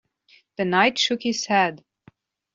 The Knight shook his head.